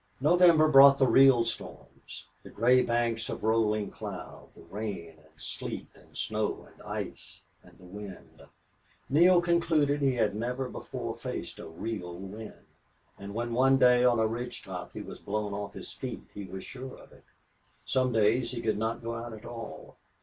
November brought the real storms the gray banks of rolling cloud, the rain and sleet and snow and ice, and the wind. Neale concluded he had never before faced a real wind, and when, one day on a ridge top, he was blown off his feet he was sure of it. Some days he could not go out at all.